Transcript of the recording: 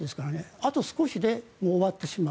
あと少しで終わってしまう。